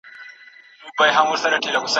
لویه خدایه را آباد مو وران ویجاړ افغانستان کې